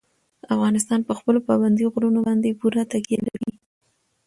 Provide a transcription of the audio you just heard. افغانستان په خپلو پابندي غرونو باندې پوره تکیه لري.